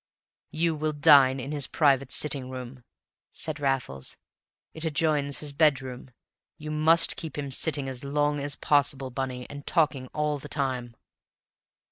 "You will dine in his private sitting room," said Raffles; "it adjoins his bedroom. You must keep him sitting as long as possible, Bunny, and talking all the time!"